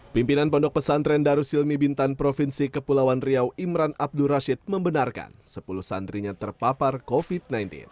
pimpinan pondok pesantren darus silmi bintan provinsi kepulauan riau imran abdur rashid membenarkan sepuluh santrinya terpapar covid sembilan belas